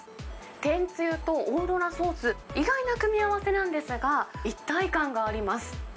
天つゆとオーロラソース、意外な組み合わせなんですが、一体感があります。